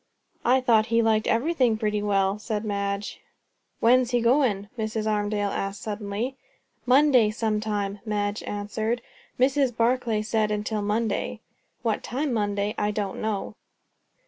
"I thought he liked everything pretty well," said Madge. "When's he goin'?" Mrs. Armadale asked suddenly. "Monday, some time," Madge answered. "Mrs. Barclay said 'until Monday.' What time Monday I don't know."